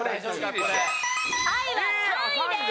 「愛」は３位です。